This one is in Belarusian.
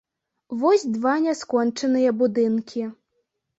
Вось два няскончаныя будынкі.